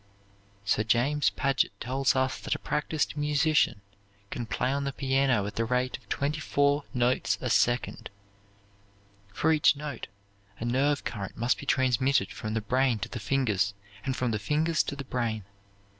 Sir James Paget tells us that a practised musician can play on the piano at the rate of twenty four notes a second. For each note a nerve current must be transmitted from the brain to the fingers, and from the fingers to the brain.